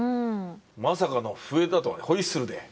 まさかの笛だとはホイッスルで。